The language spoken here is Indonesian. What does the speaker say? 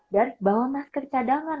dan bawa masker cadangan